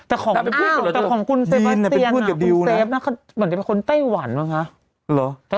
อ้าวแต่ของคุณเซฟอาเซียนคุณเซฟเหมือนจะเป็นคนไต้หวันมั้งฮะ